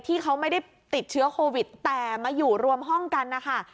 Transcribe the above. ที่เขาไม่ได้ติดเชื้อโควิดแต่มาอยู่รวมห้องกันนะคะ